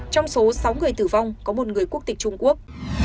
trong số sáu người tử vong có một người quốc tịch trung quốc